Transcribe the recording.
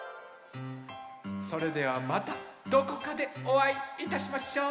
それではまたどこかでおあいいたしましょう。